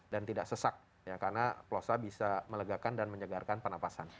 dan tidak sesak karena plosa bisa melegakan dan menyegarkan penapasan